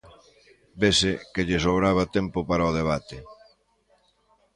Vese que lle sobraba tempo para o debate.